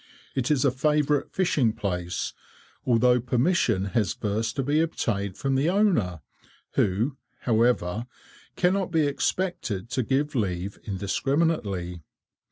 It is a favourite fishing place, although permission has first to be obtained from the owner, who, however, cannot be expected to give leave indiscriminately.